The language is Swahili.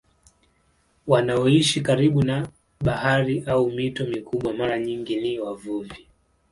Wanaoishi karibu na bahari au mito mikubwa mara nyingi ni wavuvi.